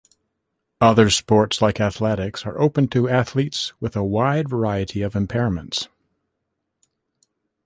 Other sports, like athletics, are open to athletes with a wide variety of impairments.